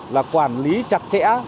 là quản lý chặt chẽ